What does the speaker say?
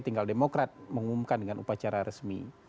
tinggal demokrat mengumumkan dengan upacara resmi